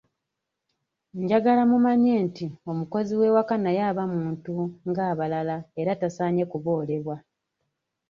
Njagala mumanye nti omukozi w'ewaka naye aba muntu ng'abalala era taasanye kuboolebwa.